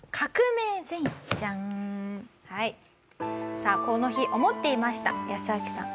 さあこの日思っていましたヤスアキさん。